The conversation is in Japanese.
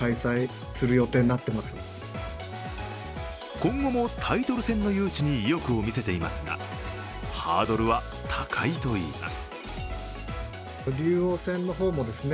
今後もタイトル戦の誘致に意欲を見せていますがハードルは高いといいます。